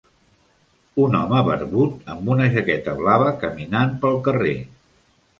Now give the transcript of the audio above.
Un home barbut amb una jaqueta blava caminant pel carrer.